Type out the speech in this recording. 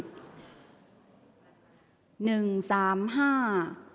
ออกรางวัลที่๖